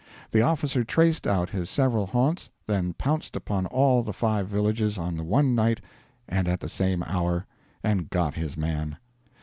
The officer traced out his several haunts, then pounced upon all the five villages on the one night and at the same hour, and got his man.